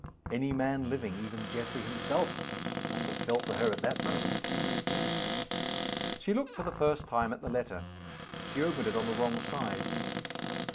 Any man living even Geoffrey himself must have felt for her at that moment. She looked for the first time at the letter. She opened it on the wrong side.